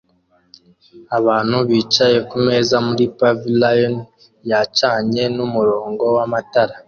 Abantu bicaye kumeza muri pavilion yacanye numurongo wamatara